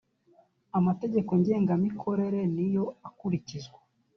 amategeko ngengamikorere niyo akurikizwa.